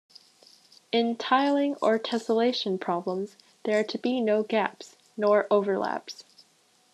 In tiling or tessellation problems, there are to be no gaps, nor overlaps.